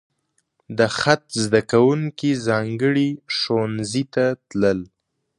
د خط زده کوونکي ځانګړي ښوونځي ته تلل.